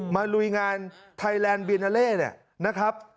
ลุยงานไทยแลนด์บีนาเล่เนี่ยนะครับ